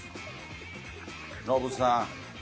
ノブさん。